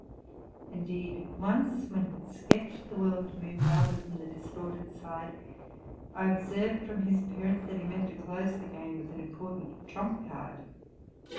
Indeed, once w hen he had sketched the world to me, rather from the distorted side, ! observed from his appearance that he meant to close the game with an important trump card.